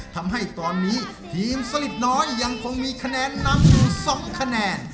ทำให้ตอนนี้ทีมสลิดน้อยยังคงมีคะแนนนำอยู่๒คะแนน